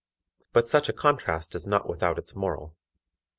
But such a contrast is not without its moral.